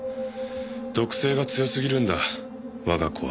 毒性が強すぎるんだ我が子は。